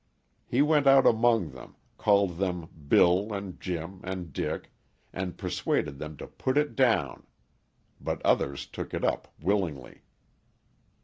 He went out among them, called them Bill, and Jim, and Dick, and persuaded them to put it down; but others took it up willingly.